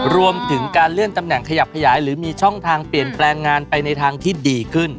รวมถึงการเลื่อนตำแหน่งขยับขยายหรือมีช่องทางเปลี่ยนแปลงงานไปในทางที่ดีขึ้น